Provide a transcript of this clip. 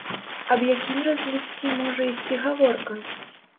Аб якім развіцці можа ісці гаворка?